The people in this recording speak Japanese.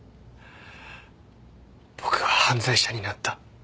僕は犯罪者になった。